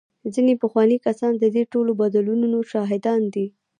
ځینې پخواني کسان د دې ټولو بدلونونو شاهدان دي.